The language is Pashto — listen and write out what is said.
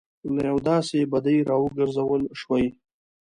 له یوې داسې بدۍ راګرځول شوي.